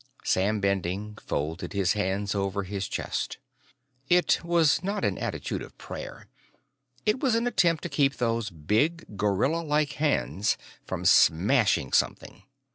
Sam Bending folded his hands over his chest. It was not an attitude of prayer; it was an attempt to keep those big, gorillalike hands from smashing something.